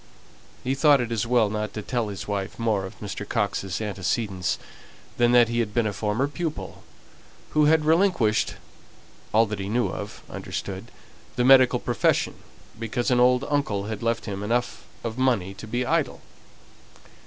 He thought it as well not to tell his wife more of Mr. Coxe's antecedents than that he had been a former pupil; who had relinquished ("all that he knew of," understood) the medical profession because an old uncle had left him enough of money to be idle.